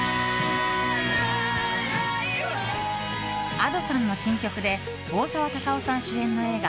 Ａｄｏさんの新曲で大沢たかおさん主演の映画